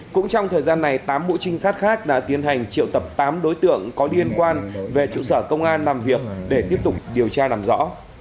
cũng trong thời gian này tám mũ trinh sát khác đã tiến hành triệu tập tám đối tượng có liên quan về trụ sở công an làm việc để tiếp tục điều tra làm rõ